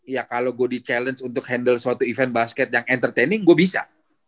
ya kalau gue di challenge untuk handle suatu event basket yang entertaining gue bisa